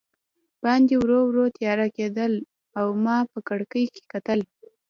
باندې ورو ورو تیاره کېدل او ما په کړکۍ کې کتل.